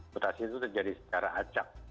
mutasi itu terjadi secara acak